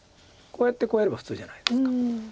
こうやってこうやれば普通じゃないですか。